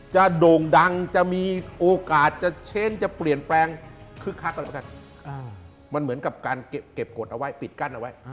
โด่งดังจะมีโอกาสจะเช้นจะเปลี่ยนแปลงคึกคักแล้วกันมันเหมือนกับการเก็บกฎเอาไว้ปิดกั้นเอาไว้